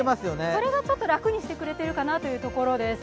それがちょっと楽にしてくれてるかなというところです。